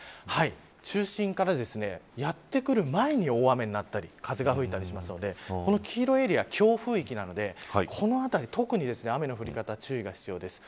中心からやってくる前に大雨になったり風が吹いたりするのでこの黄色いエリアは強風域なのでこの辺り、特に雨の降り方に注意が必要です。